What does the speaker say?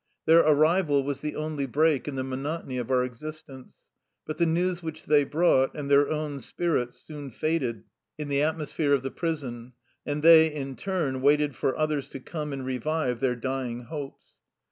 Their arrival was the only break in the monotony of our existence. But the news which they brought and their own spirits soon faded in the atmosphere of the prison, and they, in turn, waited for others to come and revive their dying hopes.